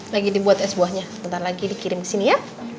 lagi dibuat es buahnya ntar lagi dikirim kesini ya